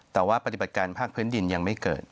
แต่ว่าปฏิบัติการภาคพื้นดินยังไม่เกิด